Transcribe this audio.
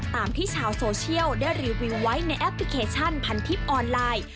ตามที่ชาวโซเชียลได้รีวิวไว้ในแอปพลิเคชันพันทิพย์ออนไลน์